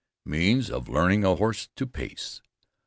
MEANS OF LEARNING A HORSE TO PACE.